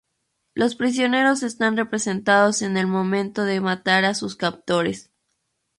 Los prisioneros están representados en el momento de matar a sus captores.